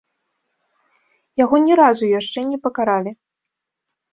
Яго ні разу яшчэ не пакаралі.